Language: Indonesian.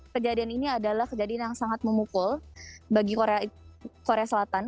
kejadian ini adalah kejadian yang sangat memukul bagi korea selatan